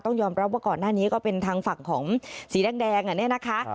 ยอมรับว่าก่อนหน้านี้ก็เป็นทางฝั่งของสีแดงเนี่ยนะคะ